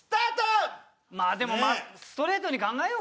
まあでもストレートに考えようかな。